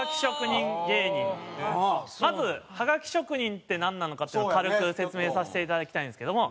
まずハガキ職人ってなんなのかっていうのを軽く説明させていただきたいんですけども。